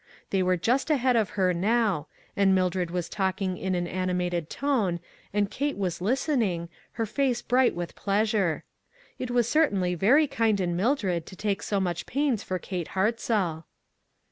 They were just ahead of her now, and Mildred was talking in an animated tone, and Kate was listening, her face bright with pleasure. It was certainly very kind in" Mildred to take so much pains for Kate Hartzell.